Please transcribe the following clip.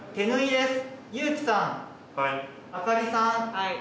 はい。